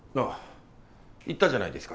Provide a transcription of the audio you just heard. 言ったじゃないですか。